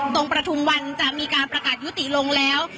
ประทุมวันจะมีการประกาศยุติลงแล้ว